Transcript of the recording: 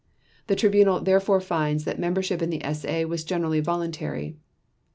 The Tribunal therefore finds that membership in the SA was generally voluntary.